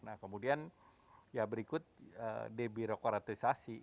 nah kemudian ya berikut debirokratisasi